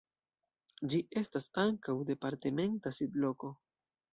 Ĝi estas ankaŭ departementa sidloko.